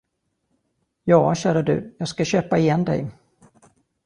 Ja, kära du, jag ska köpa igen dig.